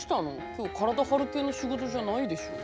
今日体張る系の仕事じゃないでしょ？